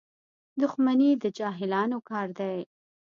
• دښمني د جاهلانو کار دی.